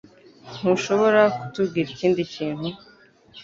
Ntushobora kutubwira ikindi kintu?